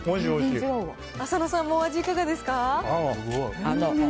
浅野さんもお味、いかがです